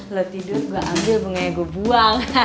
lo tidur gue ambil bunganya gue buang